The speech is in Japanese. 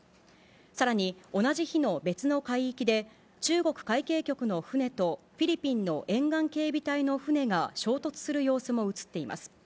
さらに、同じ日の別の海域で、中国海警局の船と、フィリピンの沿岸警備隊の船が衝突する様子も映っています。